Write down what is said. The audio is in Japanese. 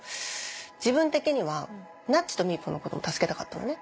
自分的にはなっちとみーぽんのことを助けたかったのね。